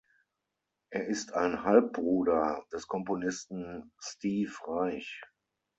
Er ist ein Halbbruder des Komponisten Steve Reich.